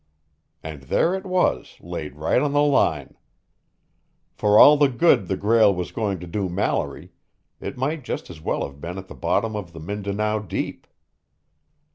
And there it was, laid right on the line. For all the good the Grail was going to do Mallory, it might just as well have been at the bottom of the Mindanao Deep.